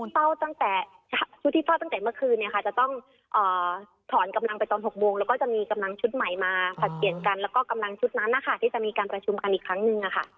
เฝ้าตั้งแต่ชุดที่เฝ้าตั้งแต่เมื่อคืนจะต้องถอนกำลังไปตอน๖โมงแล้วก็จะมีกำลังชุดใหม่มาผลัดเปลี่ยนกันแล้วก็กำลังชุดนั้นนะคะที่จะมีการประชุมกันอีกครั้งหนึ่ง